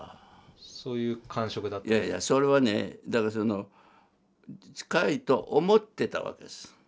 いやいやそれはねだからその近いと思ってたわけです。